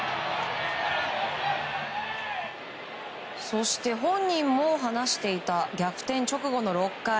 そして本人も話していた逆転直後の６回。